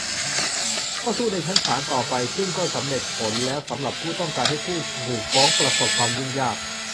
ก็สู้ในชั้นศาลต่อไป ซึ่งก็สำเร็จผลแล้วสำหรับผู้ต้องการให้ผู้ถูกฟ้องประสบความยุ่งยาก